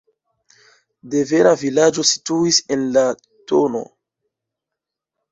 Devena vilaĝo situis en la tn.